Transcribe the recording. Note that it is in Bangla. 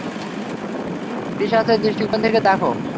পিশাচের দৃষ্টিকোণ থেকে দ্যাখো।